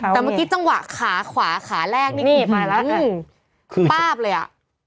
แต่เมื่อกี้จังหวะขาขวาขาแรกนี่ป้าบเลย